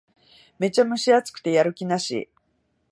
めっちゃ蒸し暑くてやる気なし